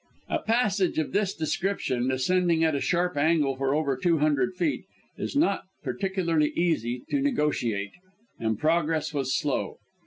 A passage of this description, descending at a sharp angle for over two hundred feet, is not particularly easy to negotiate, and progress was slow.